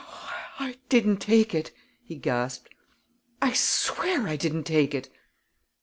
"I didn't take it!" he gasped. "I swear I didn't take it!"